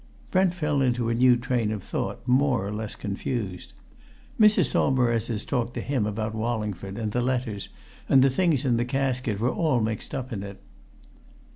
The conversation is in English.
Brent fell into a new train of thought, more or less confused. Mrs. Saumarez's talk to him about Wallingford, and the letters, and the things in the casket, were all mixed up in it.